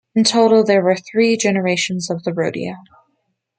In total there were three generations of the Rodeo.